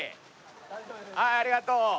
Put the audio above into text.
はいありがとう。